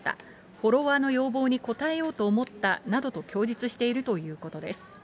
フォロワーの要望に応えようと思ったなどと供述しているということです。